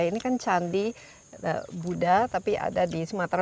ini kan candi buddha tapi ada di sumatera